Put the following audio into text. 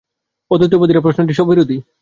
অদ্বৈতবাদীরা বলেন, প্রশ্নটি স্ববিরোধী।